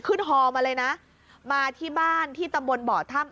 ฮอมาเลยนะมาที่บ้านที่ตำบลบ่อถ้ำ